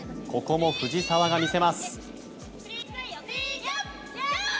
ここも藤澤が見せます。